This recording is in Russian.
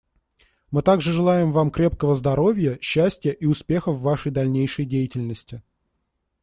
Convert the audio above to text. Мы также желаем Вам крепкого здоровья, счастья и успехов в Вашей дальнейшей деятельности.